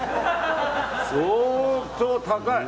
相当、高い！